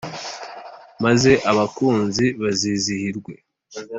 maze abakunzi bazizihirwe